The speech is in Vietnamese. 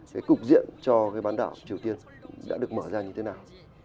cái cục diện cho cái bán đảo triều tiên đã được mở ra như thế nào